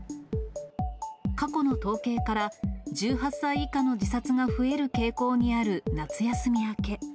過去の統計から、１８歳以下の自殺が増える傾向にある夏休み明け。